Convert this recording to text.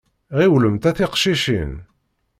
Ɣiwlemt a tiqcicin.